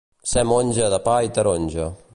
Ser monja de pa i taronja.